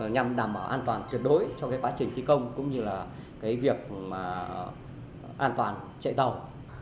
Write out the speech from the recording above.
nhằm đảm bảo an toàn tuyệt đối cho quá trình thi công cũng như là việc an toàn chạy tàu